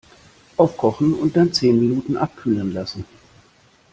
Aufkochen und dann zehn Minuten abkühlen lassen.